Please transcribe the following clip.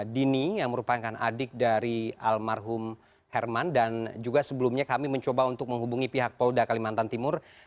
dini yang merupakan adik dari almarhum herman dan juga sebelumnya kami mencoba untuk menghubungi pihak polda kalimantan timur